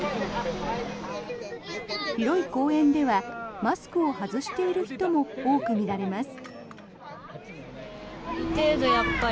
広い公園ではマスクを外している人も多く見られます。